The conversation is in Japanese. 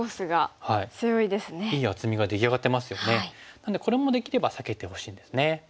なのでこれもできれば避けてほしいんですね。